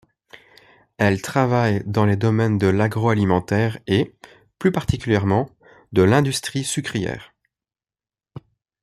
Elle travaille dans les domaines de l'agroalimentaire et, plus particulièrement, de l'industrie sucrière.